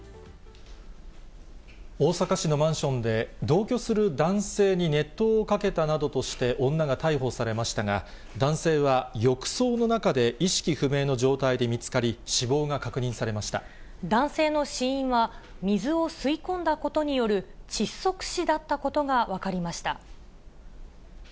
大阪市のマンションで、同居する男性に熱湯をかけたなどとして女が逮捕されましたが、男性は浴槽の中で意識不明の状態で見つかり、死亡が確認されまし男性の死因は、水を吸い込んだことによる窒息死だったことが分かりました。